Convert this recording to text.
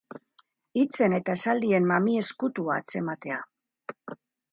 Hitzen eta esaldien mami ezkutua atzematea.